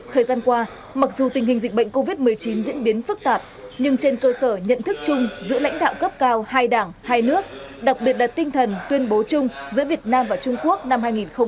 thời gian qua mặc dù tình hình dịch bệnh covid một mươi chín diễn biến phức tạp nhưng trên cơ sở nhận thức chung giữa lãnh đạo cấp cao hai đảng hai nước đặc biệt là tinh thần tuyên bố chung giữa việt nam và trung quốc năm hai nghìn hai mươi